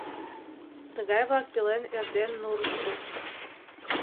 Тыгай-влак пелен эрден нурышко